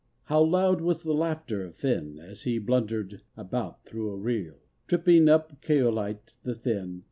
How loud was the laughter of Finn As he blundered about thro' a reel, Tripping up Caoilte the thin.